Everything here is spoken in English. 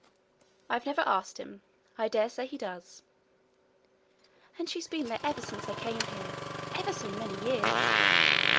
'I never asked him. I dare say he does.' 'And she's been there ever since I came here ever so many years.'